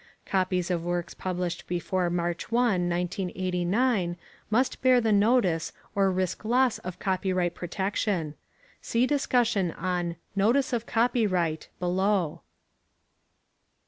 Copies of works published before March 1, 1989, must bear the notice or risk loss of copyright protection. See discussion on "Notice of Copyright" below.